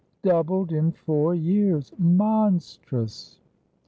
Doubled in four years; monstrous!"